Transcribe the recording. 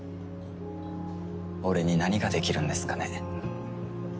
俺に何ができるんですかね。